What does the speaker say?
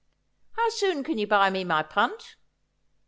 How soon can you buy me my punt